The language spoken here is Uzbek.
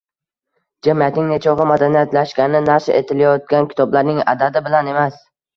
Jamiyatning nechog‘li madaniyatlashgani nashr etilayotgan kitoblarning adadi bilan emas